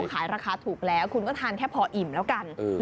ขายราคาถูกแล้วคุณก็ทานแค่พออิ่มแล้วกัน